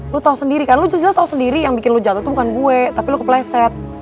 lo tau sendiri kan lo jelas tau sendiri yang bikin lo jatuh itu bukan gue tapi lo kepleset